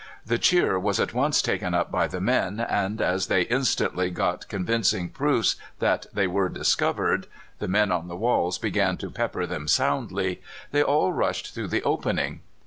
The cheer was at once taken up by the men, and, as they instantly got convincing proofs that they were discovered the men on the walls began to pepper them soundly they all rushed through the opening.